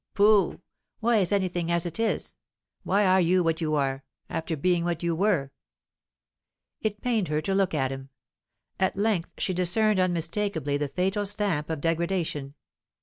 Pooh! Why is anything as it is? Why are you what you are, after being what you were?" It pained her to look at him. At length she discerned unmistakably the fatal stamp of degradation.